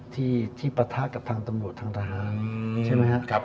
ที่ปะทะกับทางตำรวจทางทหารใช่ไหมครับ